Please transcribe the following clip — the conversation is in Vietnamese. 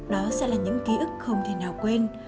đó sẽ là những ký ức không thể nào quên